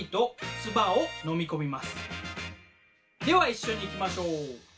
では一緒にいきましょう。